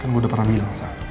kan gue udah pernah bilang